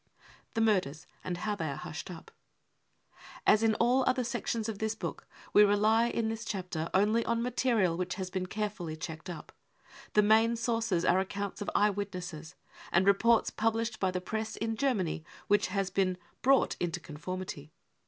The Murders and how they are Hushed up. As inwall other sections of this book, we rely in 'this chapter only bn material which has been carefully checked up : the main sources are accounts of eyewitnesses, and reports pub lished by the Press in Germany which has been 45 brought into conformity.